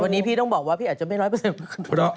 วันนี้พี่ต้องบอกว่าพี่อาจจะไม่ร้อยเปอร์เซ็นต์